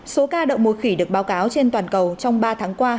số ca đậu mùa khỉ được báo cáo trên toàn cầu trong ba tháng qua